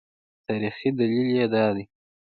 تاریخي دلیل یې دا دی.